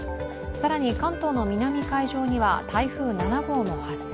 更に関東の南海上には台風７号も発生。